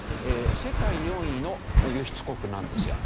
世界４位の輸出国なんですよ。